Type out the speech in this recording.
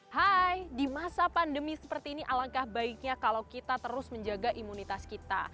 hai di masa pandemi seperti ini alangkah baiknya kalau kita terus menjaga imunitas kita